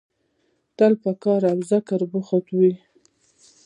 تل په کار او ذکر بوخت وي.